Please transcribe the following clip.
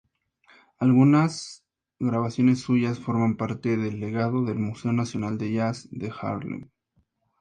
Algunos grabaciones suyas forman parte del legado del Museo Nacional de Jazz de Harlem.